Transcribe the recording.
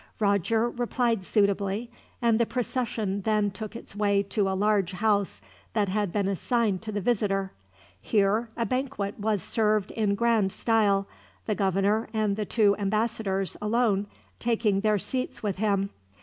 Roger replied suitably, and the procession then took its way to a large house that had been assigned to the visitor. Here a banquet was served in grand style, the governor and the two ambassadors, alone, taking their seats with him.